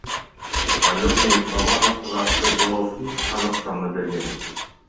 Паленый Бабановго каршы доосун Казакстанда берген.